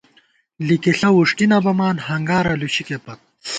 لِکِݪہ وُݭٹی نہ بَمان ، ہنگارہ لُشِکے پت